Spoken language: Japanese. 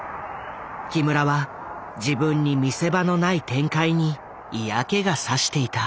木村は自分に見せ場のない展開に嫌気が差していた。